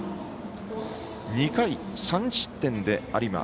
２回、３失点で有馬